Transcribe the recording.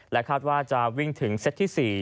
คาดว่าจะวิ่งถึงเซตที่๔